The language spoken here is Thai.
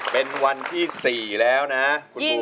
เป็นวันที่๔แล้วนะคุณปู